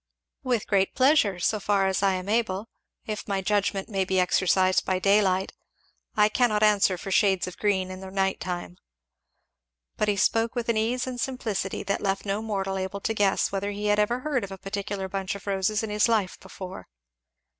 "With great pleasure, so far as I am able, if my judgment may be exercised by daylight. I cannot answer for shades of green in the night time." But he spoke with an ease and simplicity that left no mortal able to guess whether he had ever heard of a particular bunch of roses in his life before.